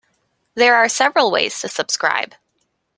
There are several ways to subscribe.